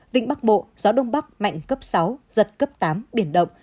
vịnh bắc bộ gió đông bắc mạnh cấp sáu giật cấp tám biển động